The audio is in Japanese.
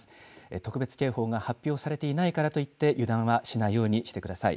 特別警報が発表されていないからといって油断はしないようにしてください。